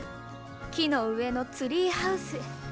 木の上のツリーハウス。